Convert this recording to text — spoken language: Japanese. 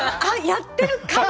やってるかも。